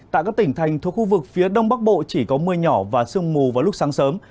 tại các tỉnh thành thuộc khu vực phía đông bắc bộ chỉ có mưa nhỏ và sương mù vào lúc sáng sớm